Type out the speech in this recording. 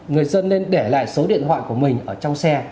người dân nên để lại số điện thoại của mình ở trong xe